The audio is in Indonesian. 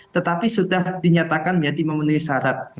tetapi sudah dinyatakan menjadi memenuhi syarat